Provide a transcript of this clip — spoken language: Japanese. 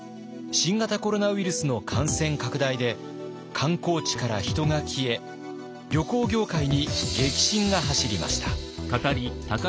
新型コロナウイルスの感染拡大で観光地から人が消え旅行業界に激震が走りました。